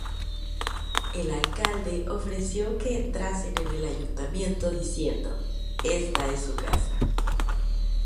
El alcalde ofreció que entrasen en el ayuntamiento diciendo: "Esta es su casa.